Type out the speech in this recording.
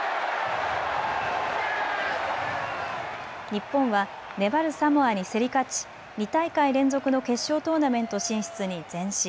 日本は粘るサモアに競り勝ち２大会連続の決勝トーナメント進出に前進。